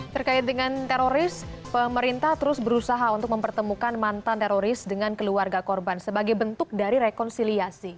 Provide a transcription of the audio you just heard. terkait dengan teroris pemerintah terus berusaha untuk mempertemukan mantan teroris dengan keluarga korban sebagai bentuk dari rekonsiliasi